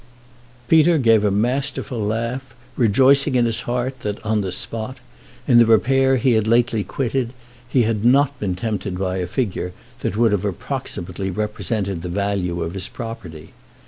Peter gave a masterful laugh, rejoicing in his heart that, on the spot, in the repaire he had lately quitted, he had not been tempted by a figure that would have approximately represented the value of his property.